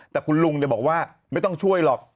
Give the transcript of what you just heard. แต่คุณลุงบอกว่าไม่ต้องช่วยหรอก